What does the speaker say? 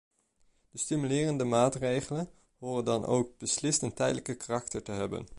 De stimulerende maatregelen horen dan ook beslist een tijdelijk karakter te hebben.